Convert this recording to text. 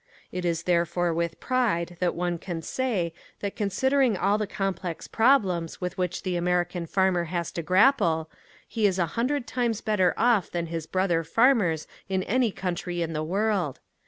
It is therefore with pride that one can say that considering all the complex problems with which the American farmer has to grapple, he is a hundred times better off than his brother farmers in any country in the world.